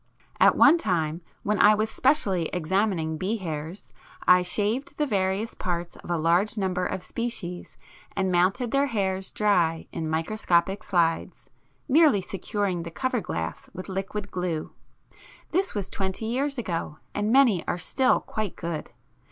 At one time, when I was specially examining bee hairs, I shaved the various parts of a large number of species and mounted their hairs dry in microscopic slides, merely securing the cover glass with liquid glue; this was twenty years ago, and many are still quite good.